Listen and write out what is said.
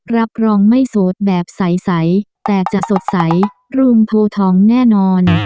รับรองไม่โสดแบบใสแต่จะสดใสรุงโพทองแน่นอน